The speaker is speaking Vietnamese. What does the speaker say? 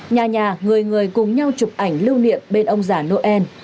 nhà nhà người người cùng nhau chụp ảnh lưu niệm bên ông già noel